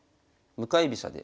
向かい飛車で。